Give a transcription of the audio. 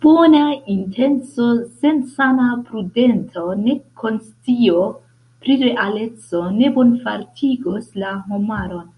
Bona intenco sen sana prudento, nek konscio pri realeco, ne bonfartigos la homaron.